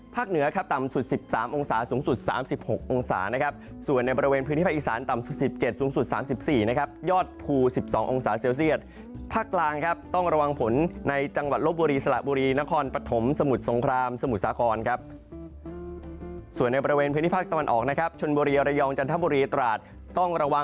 เหนือครับต่ำสุด๑๓องศาสูงสุด๓๖องศานะครับส่วนในบริเวณพื้นที่ภาคอีสานต่ำสุด๑๗สูงสุด๓๔นะครับยอดภู๑๒องศาเซลเซียตภาคกลางครับต้องระวังผลในจังหวัดลบบุรีสละบุรีนครปฐมสมุทรสงครามสมุทรสาครครับส่วนในบริเวณพื้นที่ภาคตะวันออกนะครับชนบุรีระยองจันทบุรีตราดต้องระ